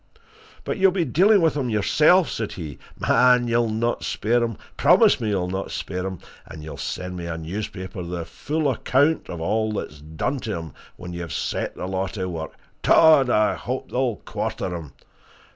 "But you'll be dealing with him yourself!" said he. "Man! you'll not spare him promise me you'll not spare him! And you'll send me a newspaper with the full account of all that's done to him when you've set the law to work dod! I hope they'll quarter him!